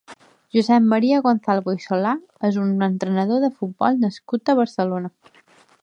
Josep Maria Gonzalvo i Solà és un entrenador de futbol nascut a Barcelona.